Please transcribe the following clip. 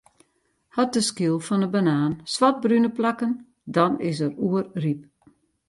Hat de skyl fan 'e banaan swartbrune plakken, dan is er oerryp.